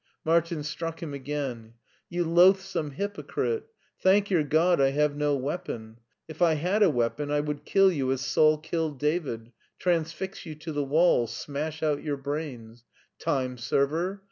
Martin struck him again. " You loathsome hypocrite. Thank your God I have no weapon. If I had a wea pon I would kill you as Saul killed David — transfix you to the wall — ^smash out your brains. Time server